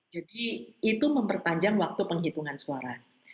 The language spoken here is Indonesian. jadi itu memperpanjang waktu penghitungan suara